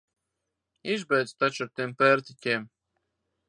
Izbeidz taču ar tiem pērtiķiem!